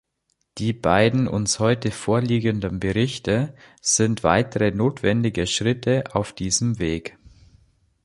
Die beiden uns heute vorliegenden Berichte sind weitere notwendige Schritte auf diesem Weg.